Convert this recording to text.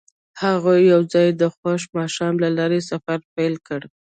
هغوی یوځای د خوښ ماښام له لارې سفر پیل کړ.